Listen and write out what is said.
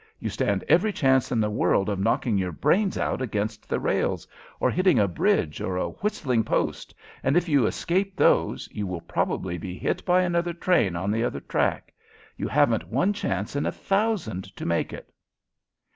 You stand every chance in the world of knocking your brains out against the rails, or hitting a bridge or a whistling post, and, if you escape those, you will probably be hit by another train on the other track. You haven't one chance in a thousand to make it!"